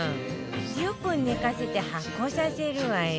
１０分寝かせて発酵させるわよ